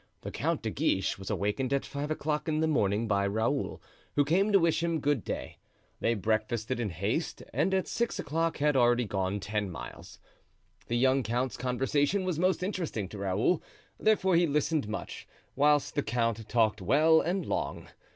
The Count de Guiche was awakened at five o'clock in the morning by Raoul, who came to wish him good day. They breakfasted in haste, and at six o'clock had already gone ten miles. The young count's conversation was most interesting to Raoul, therefore he listened much, whilst the count talked well and long.